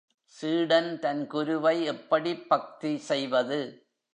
சீடன் தன் குருவை, எப்படிப் பக்தி செய்வது?